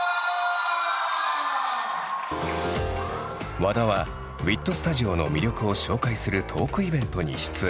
和田はＷＩＴＳＴＵＤＩＯの魅力を紹介するトークイベントに出演。